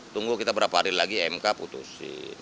tunggu kita berapa hari lagi mk putusin